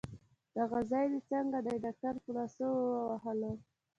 دغه ځای دي څنګه دی؟ ډاکټر په لاسو ووهلم.